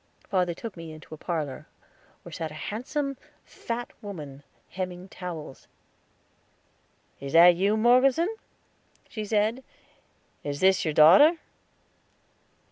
Father took me into a parlor, where sat a handsome, fat woman, hemming towels. "Is that you, Morgeson?" she said. "Is this your daughter?"